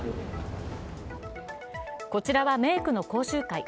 こちらはメークの講習会。